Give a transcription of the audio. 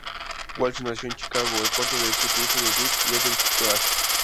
Walsh nació en Chicago, el cuarto de siete hijos de Dick y Audrey Walsh.